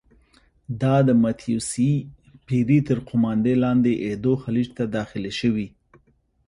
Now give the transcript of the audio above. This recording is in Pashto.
دا د متیو سي پیري تر قوماندې لاندې ایدو خلیج ته داخلې شوې.